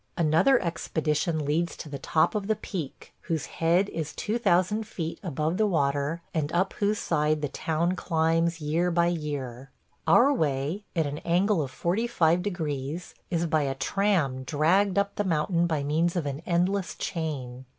Another expedition leads to the top of the peak, whose head is 2000 feet above the water and up whose side the town climbs year by year. Our way – at an angle of forty five degrees – is by a tram dragged up the mountain by means of an endless chain.